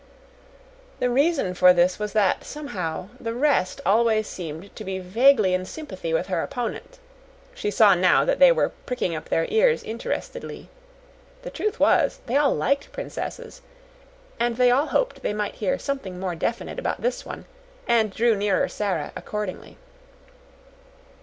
The reason for this was that, somehow, the rest always seemed to be vaguely in sympathy with her opponent. She saw now that they were pricking up their ears interestedly. The truth was, they liked princesses, and they all hoped they might hear something more definite about this one, and drew nearer Sara accordingly.